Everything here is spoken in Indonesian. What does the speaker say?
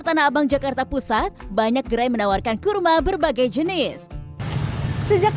tanah abang jakarta pusat banyak gerai menawarkan kurma berbagai jenis sejak